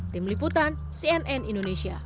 tim liputan cnn indonesia